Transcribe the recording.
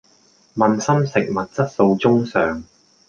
問心食物質素中上